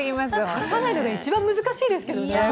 かかないのが一番難しいですけどね。